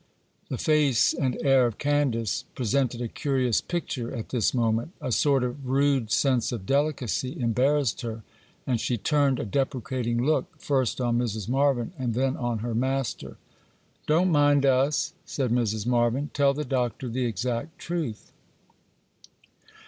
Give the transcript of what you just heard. The face and air of Candace presented a curious picture at this moment; a sort of rude sense of delicacy embarrassed her, and she turned a deprecating look, first on Mrs. Marvyn and then on her master. 'Don't mind us, Candace,' said Mrs. Marvyn; 'tell the Doctor the exact truth.